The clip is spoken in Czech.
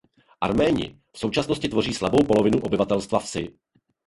Arméni v současnosti tvoří slabou polovinu obyvatelstva vsi.